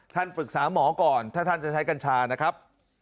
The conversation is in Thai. ปรึกษาหมอก่อนถ้าท่านจะใช้กัญชานะครับ